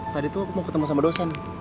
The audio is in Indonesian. tadi tuh mau ketemu sama dosen